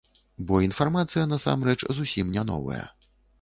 Бо інфармацыя насамрэч зусім не новая.